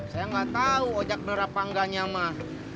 saya gak tau ojak bener apa enggaknya mah